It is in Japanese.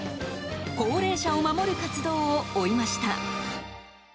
高齢者を守る活動を追いました。